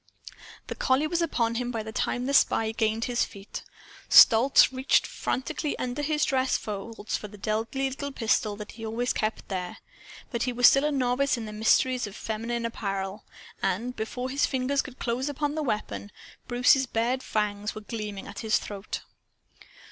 The collie was upon him by the time the spy gained his feet. Stolz reached frantically under his dress folds for the deadly little pistol that he always kept there. But he was still a novice in the mysteries of feminine apparel. And, before his fingers could close on the weapon, Bruce's bared fangs were gleaming at his throat.